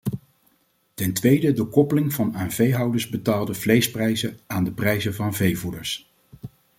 Ten tweede de koppeling van aan veehouders betaalde vleesprijzen aan de prijzen van veevoeders.